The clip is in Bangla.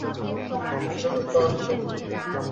মাঝে হইতে আমাকে কেন লোকের কাছে নষ্ট করিতেছ!